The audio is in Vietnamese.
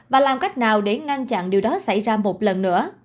và làm cách nào để ngăn chặn điều đó xảy ra một lần nữa